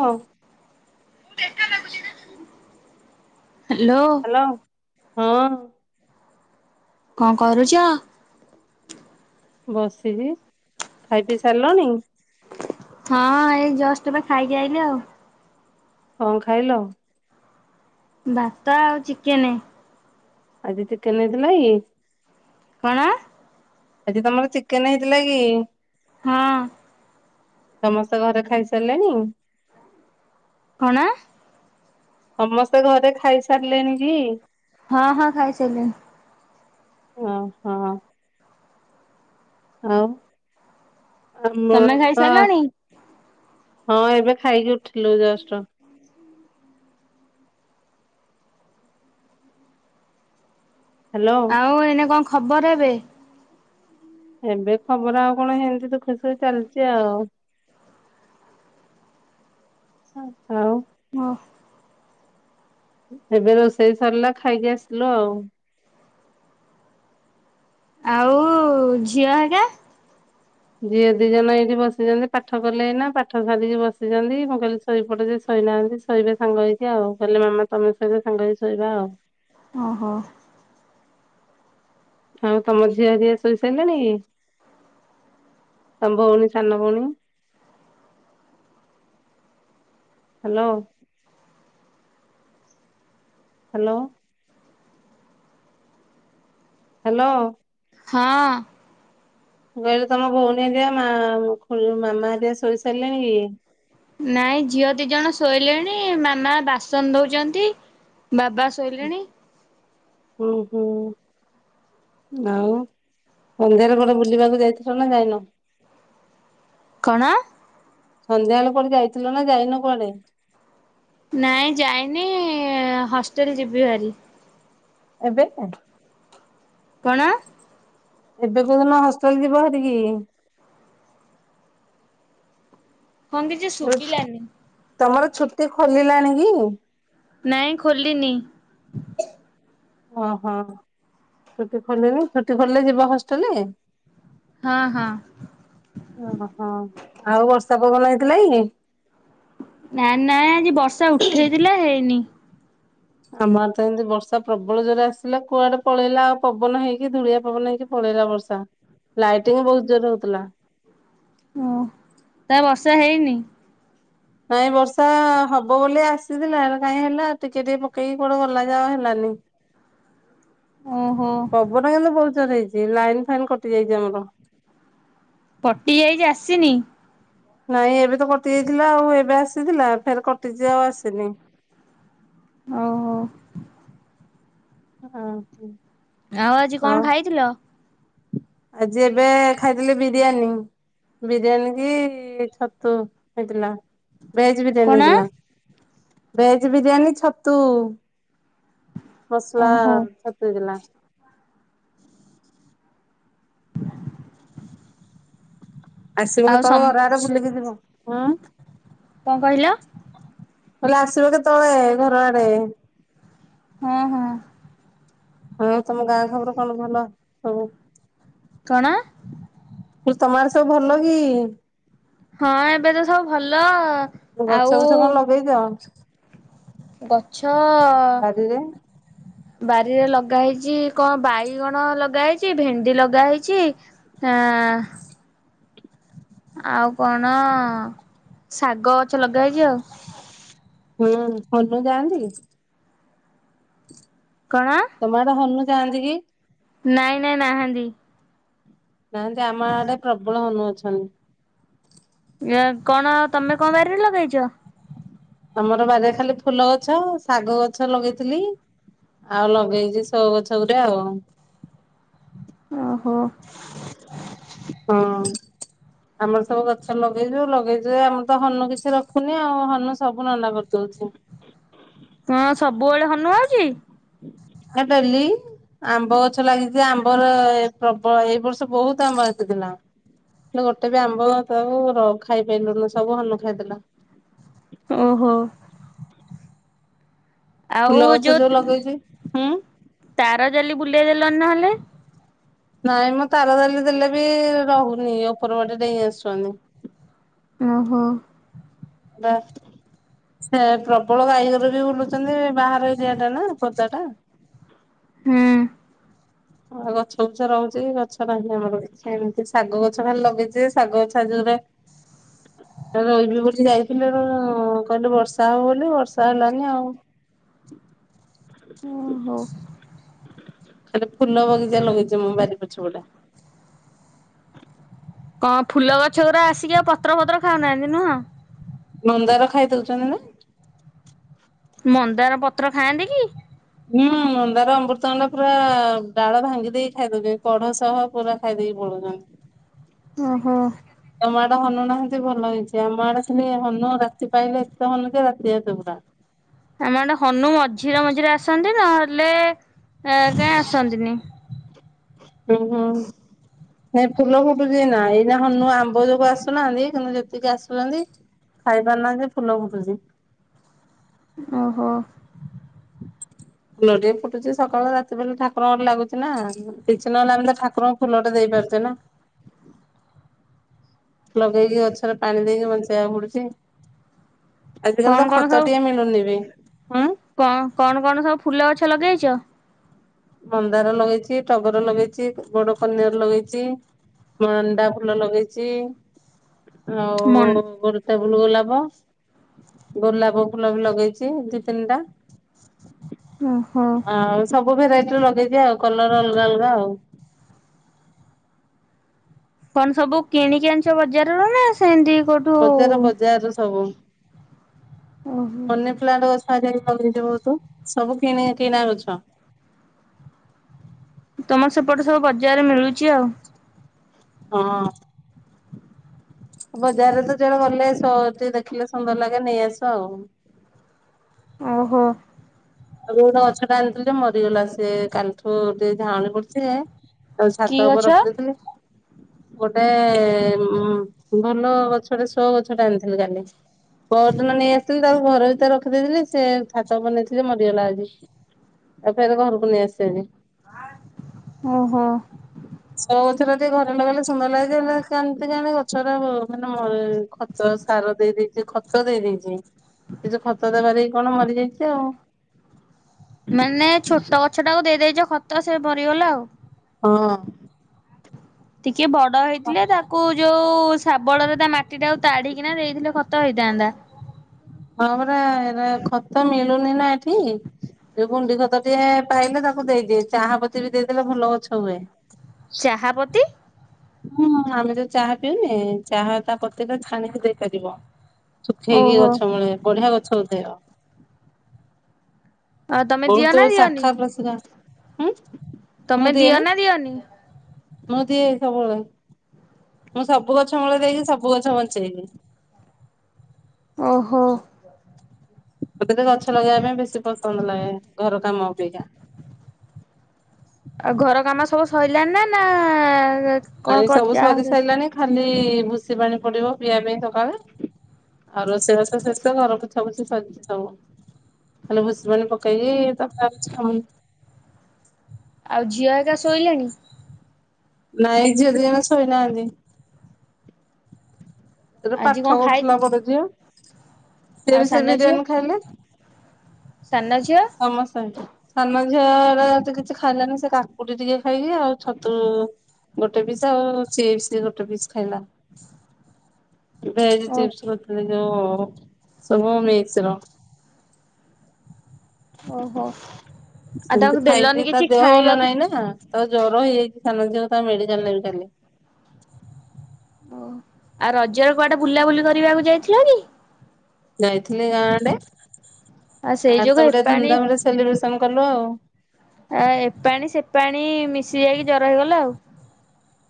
ହଉ। ହ୍ୟାଲୋ। ହଁ। କଣ କରୁଛ? ବସିଛି ଖାଇ ପିଇ ସାରିଲଣି? ହଁ ଏଇ ଜଷ୍ଟ ଏବେ ଖାଇକି ଆଇିଲି ଆଉ। କଣ ଖାଇଲ? ଭାତ ଆଉ ଚିକେନ। ଆଜି ଚିକେନ ହେଇଥିଲାକି? କଣ? ଆଜି ତମର ଚିକେନ ହେଇଥିଲା କି? ହଁ ସମସ୍ତେ ଘରେ ଖାଇ ସାରିଲେଣି? କଣ? ସମସ୍ତେ ଘରେ ଖାଇ ସାରିଲେଣି କି? ହଁ ହଁ ଖାଇସାରିଲେଣି। ଓହୋ ଆଉ ତମେ ଆମର ତ ଖାଇସାରିଲଣି? ହଁ ଏବେ ଖାଇକି ଉଠିଲୁ ଜଷ୍ଟ। ହ୍ୟାଲୋ ଆଉ ଏଇନେ କଣ ଖବର ଏବେ? ଏବେ ଖବର ଆଉ କଣ ହେମିତି ଦୁଖେସୁଖେ ଚାଲିଛି ଆଉ। ଆଉ ହଁ। ଏବେ ରୋଷେଇ ସରିଲା ଖାଇକି ଆସିଲୁ ଆଉ। ଆଉ ଝିଅ ହେକା? ଝିଅ ଦି ଜଣ ଏଇଠି ବସିଛନ୍ତି ପାଠ କଲେ ଏଇନା ପାଠ ସାରିକି ବସି ଆସିଛନ୍ତି ମୁଁ କହିଲି ଶୋଇପଡ଼ ଯେ ଶୋଇନାହାନ୍ତି ଶୋଇବେ ସାଙ୍ଗ ହେଇକି ଆଉ କହିଲେ ମାମା ତମେ ସହିତ ସାଙ୍ଗ ହେଇକି ଶୋଇବା ଆଉ। ଓହୋ। ଆଉ ତମ ଝିଅ ହେରିକା ଶୋଇ ସାରିଲେଣି? ତମ ଭଉଣୀ ସାନ ଭଉଣୀ ହ୍ୟାଲୋ। ହ୍ୟାଲୋ ହ୍ୟାଲୋ ହଁ ଅଁ ମୁଁ କହିଲି ତମ ଭଉଣୀ ହେରିକା ମାମା ହେରିକା ଶୋଇ ସାରିଲେଣି କି? ନାଇଁ ଝିଅ ଦି ଜଣ ଶୋଇଲେଣି ମାମା ବାସନ ଧୋଉଛନ୍ତି ବାବା ଶୋଇଲେଣି। ହୁଁ ହୁଁ। ଆଉ ସନ୍ଧ୍ୟାରେ କୁଆଡେ ବୁଲିବାକୁ ଯାଇଥିଲ ନା ଯାଇନ? କଣ? ସନ୍ଧ୍ୟା ବେଳେ କୁଆଡେ ଯାଇଥିଲ ନା ଯାଇନ କୁଆଡେ? ନାଇଁ ଯାଇନି ହଷ୍ଟେଲ ଯିବି ଭାରି। ଏବେ? କଣ? ଏବେ କୋଉଦିନ ହଷ୍ଟେଲ୍ ଯିବ ହାରି କି? ହଁ କିଛି ଶୁଗିଲାନି। ତମର ଛୁଟି ଖୋଲିଲାଣି କି? ନାଇଁ ଖୋଲିନି? ଓହୋ ଛୁଟି ଖୋଲିନି ଛୁଟି ଖୋଲିଲେ ଯିବ ହଷ୍ଟେଲ? ହଁ-ହଁ। ଓହୋ ଆଉ ବର୍ଷା ପବନ ହେଇଥିଲାକି? ନା-ନା ଆଜି ବର୍ଷା ଉଠେଇଥିଲା ହେଇନି। ଆମ ଆଡେ ତ ଏମ୍ତି ବର୍ଷା ପ୍ରବଳ ଜୋରରେ ଆସିଲା କୁଆଡେ ପଳେଇଲା ଆଉ ପବନ ହେଇକି ଧୁଳିଆ ପବନ ହେଇକି ପଳେଇଲା ବର୍ଷା ଲାଇଟିଂ ବହୁତ୍ ଜୋରରେ ହଉଥିଲା। ନା ବର୍ଷା ହେଇନି। ନାଇଁ ବର୍ଷା ହବ ବୋଲି ଆସିଥିଲା, ହେଲେ କାଇଁ ହେଲା ଟିକେ-ଟିକେ ପକେଇକି କୁଆଡେ ଗଲା ଯେ ଆଉ ହେଲାନି। ଓହୋ। ପବନଟା କିନ୍ତୁ ବହୁତ୍ ଜୋରରେ ହେଇଛି ଲାଇନ୍ ଫାଇନ୍ କଟିଯାଇଚି ଆମର। କଟି ଯାଇଚି ଆସିନି? ନାଇଁ ଏବେ ତ କଟି ଯାଇଥିଲା ଆଉ ଏବେ ଆସିଥିଲା ଫେରେ କଟିଚି ଆଉ ଆସିନି। ଓହୋ। ହଁ। ଆଉ ଆଜି କଣ ଖାଇଥିଲ? ଆଜି ଏବେ ଖାଇଥିଲି ବିରିୟାନୀ। ବିରିୟାନୀ କି ଛତୁ ହେଇଥିଲା, ଭେଜ୍ ବିରିୟାନୀ କଣ ହେଇଥିଲା। ଭେଜ୍ ବିରିୟାନୀ ଛତୁ ମସଲା ଓହୋ ଛ ଶୋଇଥିଲା। ଆସିବ ଆଉ କେତବେଳେ ସମ ଘର ଆଡେ ବୁଲିକି ଯିବ ହୁଁ। କଣ କହିଲ? କହିଲି ଆସିବ କେତବେଳେ ଘର ଆଡେ। ହଁ-ହଁ। ହଁ ତମ ଗାଁ ଖବର କଣ ଭଲ ସବୁ? କଣ? ମୁଁ [unintelligible] ତମଆଡେ ସବୁ ଭଲ କି? ହଁ ଏବେ ତ ସବୁ ଭଲ। ଆଉ ଗଛବୁଛ କଣ ଲଗେଇଚ? ଗଛ [unintelligible] ବାରିରେ ଲଗା ହେଇଚି କଣ ବାଇଗଣ ଲଗା ହେଇଚି ଭେଣ୍ଡି ଲଗା ହେଇଚି ଆଁ ଆଉ କଣ ଶାଗ ଗଛ ଲଗା ହେଇଚି ଆଉ। ହୁଁ ହନୁ ଯାଆନ୍ତି? କଣ? ତମଆଡେ ହନୁ ଯାଆନ୍ତି କି? ନାଇଁ-ନାଇଁ ନାହାନ୍ତି। ନାହାନ୍ତି ଆମ ଆଡେ ପ୍ରବଳ ହନୁ ଅଛନ୍ତି। ଇଆ କଣ ତମେ କଣ ବାରିରେ ଲଗେଇଚ? ଆମର ବାରିରେ ଖାଲି ଫୁଲଗଛ, ଶାଗଗଛ ଲଗେଇଥିଲି ଆଉ ଲଗେଇଚି ସୋ ଗଛ ଗୁଟେ ଆଉ। ଓହୋ। ହଁ। ଆମର ସବୁ ଗଛ ଲଗେଇଚୁ ଲଗେଇଚୁ ଜେ ଆମର ତ ହନୁ କିଛି ରଖୁନି ଆଉ ହନୁ ସବୁ ନଣ୍ଡା କରିଦଉଚି। ହଁ ସବୁବେଳେ ହନୁ ଆଉଚି? ଆ ଡେଲି। ଆମ୍ବ ଗଛ ଲାଗିଚି ଆମ୍ବର ଏ ପ୍ରବଳ ଏଇ ବର୍ଷ ବହୁତ ଆମ୍ବ ହେଇଥିଲା। ହେଲେ ଗୋଟେ ବି ଆମ୍ବ ସବୁ ଖାଇପାରିଲୁନୁ ସବୁ ହନୁ ଖାଇଦେଲା। ଓହୋ। ଆଉ ଫୁଲ ଗଛ ଯୋଉ ଲଗେଇଛି ହୁଁ। ତାର ଜାଲି ବୁଲେଇ ଦେଲନି ନହେଲେ। ନାଇଁମ ତାର ଜାଲି ଦେଲେ ବି ରହୁନି ଉପରବାଟେ ଡେଇଁ ଆସୁଛନ୍ତି। ଓହୋ। ହାଲୋ। ସେ ପ୍ରବଳ ଗାଇଗୋରୁ ବି ବୁଲୁଚନ୍ତି ବାହାର ଏରିଆ ଟା ନା ଖତା ଟା। ହୁଁ। ଆଉ ଗଛବୁଛ ରହୁଚି କି ଗଛ ନାହିଁ ଆମର। ଏମିତି ଶାଗ ଗଛ ଖାଲି ଲଗେଇଚି ଯେ ଶାଗ ଗଛ ଯୋଉରା ରହିବି ବୋଲି ଯାଇଥିଲି ମୁଁ କହିଲେ ବର୍ଷା ହବ ବୋଲି ବର୍ଷା ହେଲାନି ଆଉ। ଓ ହ। ଖାଲି ଫୁଲ ବଗିଚା ଲଗେଇଛି ମୋ ବାରି ପଛପଟେ। କଣ ଫୁଲ ଗଛ ଗୁରା ଆସିକି ଆଉ ପତ୍ର ପତ୍ର ଖାଉନାହାନ୍ତି ନୁହଁ? ମନ୍ଦାର ଖାଇ ଦଉଛନ୍ତି ନା। ମନ୍ଦାର ପତ୍ର ଖାଆନ୍ତି କି? ହୁଁ ମନ୍ଦାର ଅମୃତଣ୍ଡା ପୁରା ଡାଳ ଭାଙ୍ଗି ଦେଇକି ଖାଇଦେଉଛନ୍ତି କଢ ସହ ପୁରା ଖାଇ ଦେଇକି ପଳୁଉଚନ୍ତି। ଓହୋ। ତମ ଆଡେ ହନୁ ନାହାନ୍ତି ଭଲ ହେଇଛି ଆମ ଆଡେ ଲି ହନୁ ରାତି ପାଇଲେ ଏତେ ତ ହନୁ ଯେ ରାତି ହେତ ପୁରା ଆମ ଆଡେ ହନୁ ମଝିରେ ମଝିରେ ଆସନ୍ତି ନହେଲେ ଏ କାଇହିଁ ଆସନ୍ତିନି। ଓ ହୋ। ନାଇଁ ଫୁଲ ଫୁଟୁଚି ଏଇନା ହନୁ ଆମ୍ବ ଯୋଗୁ ଆସୁନାହାନ୍ତି କିନ୍ତୁ ଯେତିକି ଆସୁଚନ୍ତି ଖାଇ ପାରୁ ନାହାନ୍ତି ଯେ ଫୁଲ ଫୁଟୁଛି। ଓହୋ। ଫୁଲଟିଏ ଫୁଟୁଚି ସକାଳୁ ରାତି ବଳେ ଠାରଙ୍କ ଘରେ ଲାଗୁଚି ନା। କିଛି ନହେଲେ ଆମ ଠାକୁରଙ୍କୁୁ ଫୁଲଟେ ଦେଇପାରୁଛେ ନା। ଲଗେଇକି ଗଛରେ ପାଣି ଦେଇକି ବଞ୍ଚେଇବାକୁ ପଡୁଚି। ଆଜ କାଲି କଣ ତ କଣ ଖତ ସବୁ ଟିଏ ମିଳୁନି ବି ହୁଁ। କଣ କଣ କଣ ସବୁ ଫୁଲ ଗଛ ଲଗେଇଛ? ମନ୍ଦାର ଲଗେଇଚି ଟଗର ଲଗେଇଚି ବଡ କନିଅର ଲଗେଇଚି। ଅଣ୍ଡା ଭୁଲ ଲଗେଇଚି ମନ୍ ଆଉ ଟେବୁଲ ଗୋଲାପ। ଗୋଲାପ ଫୁଲ ବି ଲଗେଇଚି ଦି ତିନିଟା। ଓହୋ। ଆଉ ସବୁ ଭେରାଇଟିର ଲଗେଇଛଚି ଆଉ କଲର ଅଲଗା ଅଲଗା ଆଉ। କଣ ସବୁ କିଣିକି ଆଣିଚ ବଜାର ର ନା ସେମିତି କୋଉଠୁ? ବଜାର ବଜାରରୁ ସବୁ ଓହୋ ପମନି ପ୍ଲାଣ୍ଟ ଗଛ ଲଗେଇଚି ବହୁତ ସବୁ କି କିଣା ଗଛ। ତମର ସେପଟେ ସବୁ ବଜାରରେ ମିଳୁଚି ଆଉ। ହଁ। ବଜାରରେ ତ ଜଣେ ଗଲେ ସ ଦେଖିଲେ ସୁନ୍ଦର ଲାଗେ ନେଇ ଆସ ଆଉ। ଓହୋ। ଆଉ ଗୋଟେ ଗଛ ଟା ଆଣିଥିଲି ଯେ ମରିଗଲା ସେ କାଲ ଠୁ ଟିକେ ଝାାଉଣ ପଡଥିଲା। ଆଉ କି ଚ୍ଛାତ ଗଛ? ଉପରେ ରଖିଦେଇଥିଲି। ଗୋଟେ ଉ ଭଲ ଗଛଟେ ଶ ଗଛ ଟା ଆଣିଥିଲି କାଲି। ପୋହର ଦିନ ନେଇ ଆସିଥିଲେ ତାକୁ ଘର ଭିତରେ ରଖିଦେଇଥିଲେ ସେ ଛାତ ଉପରେ ନେଇଥିଲି ମର ଗଲା ଯଦି ତାକୁ ଆଜି ଏଇ ଘରକୁ ନେଇ ଆସିଚି ଆଜି। ଓ ହୋ। ସବଥିରେ ଟିକେ ଘରେ ଲଗଲେ ସୁନ୍ଦର ଲାଗିଯାଇ କେମତି କାଣ ଗଛଟା ମାନେ। [unintelligible] ତ ସାର ଦେଇ ଦେଇେଇଛି ଖତ ଦେଇ ଦେଇଛି କିଛି ଖତ ଦେବାରେ କି କଣ ମରିଯାଇଛି ଆଉ। ମାନେ ଛୋଟ ଗଛ ଟାକୁ ଦେଇ ଦେଇଦେଇଛ ଖତ ସେ ମରିଗଲା ଆଉ। ହଁ। ଟିକେ ବଡ ହେଇଥିଲେ ତାକୁ ଯୋଉ ଶାବଳରେ ତା ମାଟି ଟା ଆକୁ ତାଢିକିନା ଦେଇଥିଲେ ଖତ ହେଇଥାନ୍ତା। ହଁ ପରା ଏଇନା ଖତ ମିଳୁନି ନା ଏଠି। ଯୋଉ ଗୁଣ୍ଡି ଖତ ଟିକେ ପାଇଲେ ତାକୁ ଦେଇଦିଏ ଚାହାପତି ବି ଦେଇଦେଲେ ଭଲ ଗଛ ହୁଏ। ଚାହାପତି। ହୁଁ ଆମେ ଯୋଉ ଚାହା ପିଉନି ଚାହା ତା ପତି କୁ ଛାଣିକି ଦେଇପାରିବ। ଶୁଖେଇକି ଓହୋ ଗଛ ମିଳେ ବଢିଆ ଗଛ ହଉଥାଏ ଆଉ। ଆଉ ତମେ ଦିଅ ବୋହୁତୁ ନା ଦିଅନି? ଶାଖା ପ୍ରସିଗା ହୁଁ। ମୁଁ ତମେ ଦିଏ ଦିଅ ନା ଦିଅନି। ମୁଁ ଦିଏ ସବୁବେଳେ ମୁଁ ସବୁ ଗଛ ମୂଳେ ଦେଇକି ସବୁ ଗଛ ବଞ୍ଚେଇ ଦିଏ ଓହୋ। ଗୋଟେ ତ ଗଛ ଲଗେଇବା ପାଇଁ ବେଶୀ ପସନ୍ଦ ଲାଗେ ଘର କାମ ଅପେକ୍ଷା ଆଉ ଘର କାମ ସବୁ ସରିଲଣି ନା କଣ ଏ ସବୁ କରି ସରି ଆହୁରି ସାରିଲାଣି ଖାଲି ଭୁଷିବାଣି ପଡିବ ପିଇବା ପାଇଁ ସକାଳେ ଆଉ ରୋଷେଇ ବାସ ଶେଷ ଘରକୁ ପୁଛି ଫୁଛି ସବୁ ହେଲେ ଭୁଷବାଣି ପକେଇକି ତକରୁଛି ମାମୁନି ଆଉ ଝିଅ ଏକା ଶୋଇଲାଣି ନାଇଁ ଝିଅଦି ଜଣ ଶୋଇନାହାନ୍ତି ସେତ ଆଜି ପାଠ କଣ ଖାଇ କରୁଥିଲା ବର ଝିଅ ସେ ଆଉ ବି ସେ ସାନ ଝିଅ ବିରିୟାନୀ ଖାଇଲେ ସାନ ଝଅ ସମସ୍ତେ ଙ୍କୁ ସାନ ଝିଆଡା କିଛି ଖାଇଲାନି ସେ କାକୁଡି ଟିକେ ଖାଇକି ଆଉ ଛତୁ ଗୋଟେ ପିସ୍ ଆଉ ସିଏପସ୍ ଗୋଟେ ପିସ୍ ଖାଇଲା ଭେଜ ଓ ଚିପସ କରିଥିଲ ଯଉ ସବୁ ମିକସ ର ଓହୋ ଆଉ ସେମିତି ତାକୁ ଦେଲନି ଖାଇକି ତା କିଛି ଦେହ ଭଲ ଖାଇବାକୁ ନାହିଁ ନା ତ ଜର ହେଇଯାଇଛି ସାନ ଝୀଅ ତା ମେଡିକାଲ ନେବି ପାରୁନି ଓହ ଆଉ ରଜର କୁଆଡେ ବୁଲାବୁଲି କରିବାକୁ ଯାଇଥିଲ କି? ଯାଇଥିଲି ଗାଁଡେ ଆଉ ସେଇ ଆ ଯୋଗୁ ତ ଗୋଟେ ଏପାଣି ଧୁମଧାମ ରେ ସେଲିବ୍ରେସନ କଲୁ ଆଉ। ଆ ଏ ପାଣି ସେ ପାଣି ମିଶି ଯାଇକି ଜର ହେଇଗଲା ଆଉ।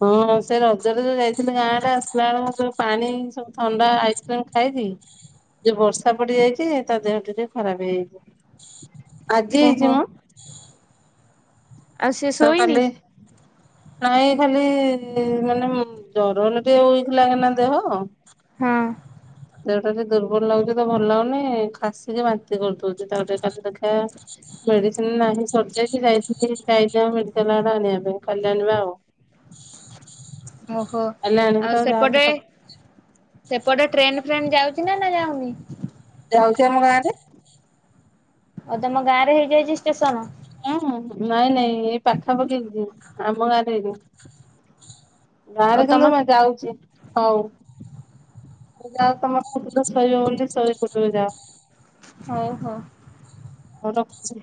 ହଁ ସେ ରଜରେ ଯୋଉ ଯାଇଥିଲି ଗାଁ ଟା ଆସିଲା ବେଳକୁ ଯୋଉ ପାଣି ସବୁ ଥଣ୍ଡା ଆଇସ୍କ୍ରିମ ଖାଇଛି। ଯ ବର୍ଷା ପଡି ଯାଇଛି ତା ଦେହ ଟ ଟିକେ ଖରାପ ହେଇଯାଇଛି ଆଜି ଓହୋ ହେଇଛି ମୁଁ। ଆଉ ସେ କ ଶୋଇନି କାଲି ନାଇଁ ଖାଲି ମାନେ ଜରରେ ଟିକେ ୱିକ ଲାଗେନା ଦେହ ହଁ ଦେଉଟା ଯ ଦୁର୍ବଳ ଲାଗୁଛି ତ ଭଲ ହାଗଉନି ଖାସିକି ବାନ୍ତି କରିଦଉଛି ତାଟେ କାଲି ଦେଖା ମେଡିସିନ ନାହିଁ ସରିଯାଇଚି ଯାଇଥିଲି ଯାଇ ଆ ମେଡିକାଲ ଆଡେ ଆଣିବା ପାଇଁ କଲ୍ୟାଣ ବା ଆଉ [inaudible] ଓହୋ କାଲି ଆଣିବୁ ତ ଆଉ ଯାହାହେଲେ ସେପଟେ ସକା ସେପଟେକ୍ରେନ ଫ୍ରେନ୍ ଯାଉଛି ନା ନା ଯାଉନି ଯାଉଛି ଆମ ଗାଁ ରେ ଆଉ ତମ ଗାଁ ରେ ହେଇଯାଇଛି ଷ୍ଟେସନ ହୁ ନାଇଁ ନାଇଁ ଏଇ ପାଖା ପକେଇଛି ଆମ ଗାଁରେ ହେଇନି ଆଉ ଗାଁରେ ତମ କିନ୍ତୁ ମୁ ଯାଉଛି ହଉ ଯାଅ ତମ କଟ ସରିବ ବୋଲି ଶ କଟକୁ ଯାଅ ହଉ ହଉ। ହଉ ରଖୁଛି।